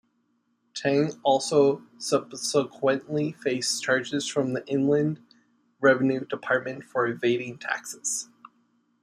Tang also subsequently faced charges from the Inland Revenue Department for evading taxes.